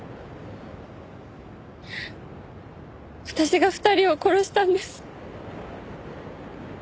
私が２人を殺したんです。